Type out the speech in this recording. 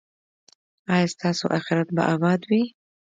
ایا ستاسو اخرت به اباد وي؟